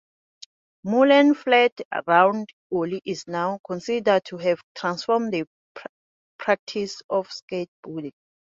Mullen's flat ground ollie is now considered to have transformed the practice of skateboarding.